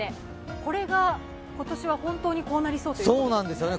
これが、今年は本当にこうなりそうということで。